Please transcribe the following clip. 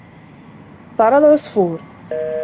طَارَ الْعَصْفُورُ.